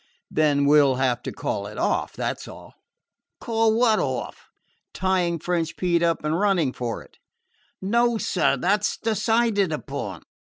"Then we 'll have to call it off, that 's all." "Call what off?" "Tying French Pete up and running for it." "No, sir. That 's decided upon."